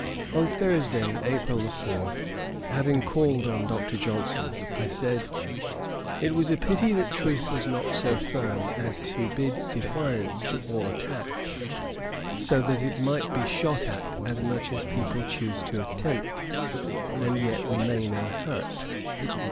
On Thursday, April 4, having called on Dr. Johnson, I said, it was a pity that truth was not so firm as to bid defiance to all attacks, so that it might be shot at as much as people chose to attempt, and yet remain unhurt.